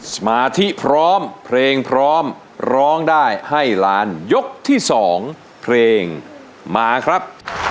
สมาธิพร้อมเพลงพร้อมร้องได้ให้ล้านยกที่สองเพลงมาครับ